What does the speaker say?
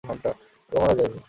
ও মারা যায়নি।